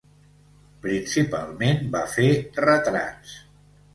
Principalment va fer retrats.